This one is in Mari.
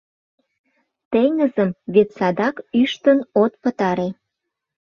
Теҥызым вет садак ӱштын от пытаре.